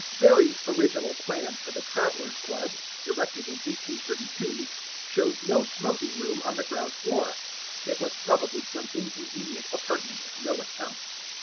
Barry's original plan for the Travellers' Club, erected in 1832, shows no smoking room on the ground floor. It was probably some inconvenient apartment of no account.